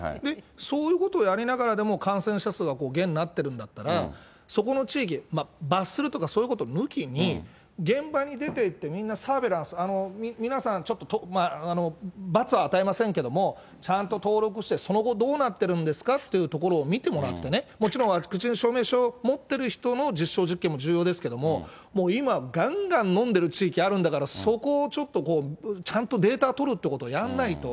そういうことをやりながらでも、感染者数が減になってるんだったら、そこの地域、罰するとかそういうことを抜きに、現場に出てってみんなサーベランス、皆さん、ちょっと罰は与えませんけれども、ちゃんと登録して、その後、どうなってるんですかっていうところを見てもらってね、もちろんワクチン証明書持ってる人の実証実験も重要ですけれども、もう今、がんがん飲んでる地域あるんだから、そこをちょっとこう、ちゃんとデータ取るってことをやんないと。